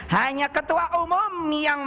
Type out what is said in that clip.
hanya ketua umum yang